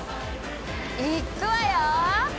行っくわよ！